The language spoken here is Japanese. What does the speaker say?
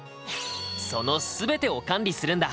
その全てを管理するんだ。